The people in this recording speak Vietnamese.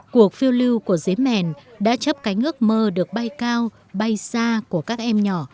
cuộc phiêu lưu của giếm mèn đã chấp cánh ước mơ được bay cao bay xa của các em nhỏ